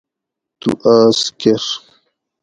تو آس کر